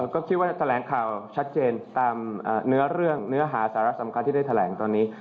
ก็คิดว่าจะแถลงข่าวชัดเจนตามเนื้อเรื่องเนื้อหาสาระสำคัญที่ได้แถลงตอนนี้